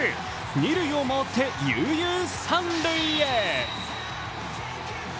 二塁を回って悠々三塁へ。